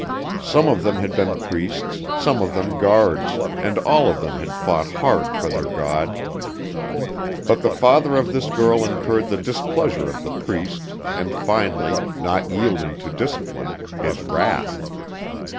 Some of them had been priests, some of them guards, and all of them had fought hard for their god. But the father of this girl incurred the displeasure of the Priest and finally, not yielding to discipline, his wrath.